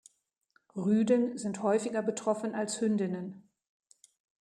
Rüden sind häufiger betroffen als Hündinnen.